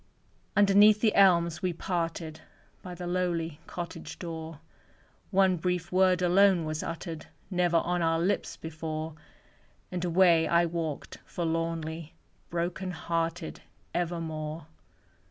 Underneath the elms we parted, By the lowly cottage door; One brief word alone was uttered Never on our lips before; And away I walked forlornly, Broken hearted evermore.